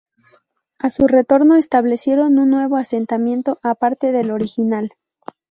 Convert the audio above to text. A su retorno establecieron un nuevo asentamiento, aparte del original.